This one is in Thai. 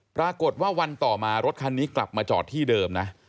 วันต่อมารถคันนี้กลับมาจอดที่เดิมนะ